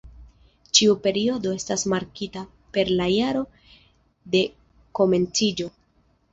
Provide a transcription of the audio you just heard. Ĉiu periodo estas markita per la jaro de komenciĝo.